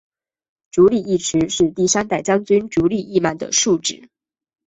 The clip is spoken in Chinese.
足利义持是第三代将军足利义满的庶子。